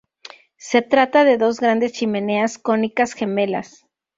Se trata de dos grandes chimeneas cónicas gemelas.